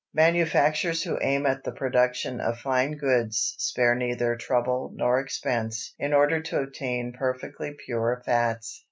Manufacturers who aim at the production of fine goods spare neither trouble nor expense in order to obtain perfectly pure fats.